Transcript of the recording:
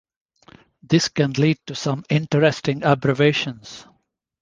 This can lead to some interesting abbreviations.